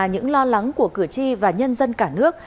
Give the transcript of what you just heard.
những lo lắng của cử tri và nhân dân cả nước